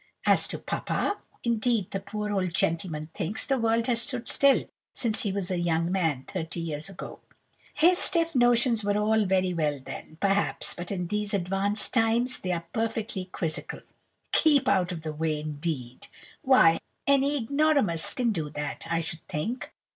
'As to papa, indeed, the poor old gentleman thinks the world has stood still since he was a young man, thirty years ago. His stiff notions were all very well then, perhaps, but in these advanced times they are perfectly quizzical. Keep out of the way, indeed! Why, any ignoramus can do that, I should think!